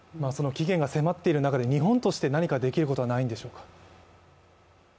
期限が迫っている中で日本として何かできることはないんでしょうか？